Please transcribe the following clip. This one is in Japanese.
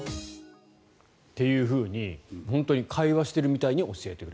っていうふうに本当に会話してるみたいに教えてくれる。